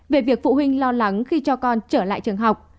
về việc phụ huynh lo lắng khi cho con trở lại trường học